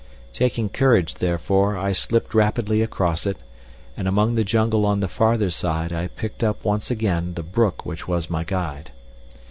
Taking courage, therefore, I slipped rapidly across it, and among the jungle on the farther side I picked up once again the brook which was my guide.